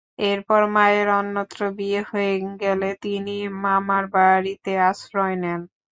এরপর মায়ের অন্যত্র বিয়ে হয়ে গেলে তিনি মামার বাড়িতে আশ্রয় নেন।